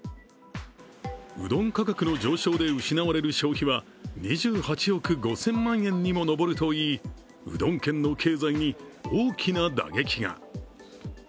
うどん価格の上昇で失われる消費は２８億５０００万円にも上るといい、うどん県の経済に大きな打撃が。